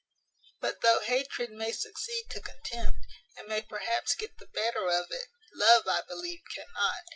But, though hatred may succeed to contempt, and may perhaps get the better of it, love, I believe, cannot.